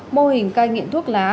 mô hình cai nghiện thuốc lá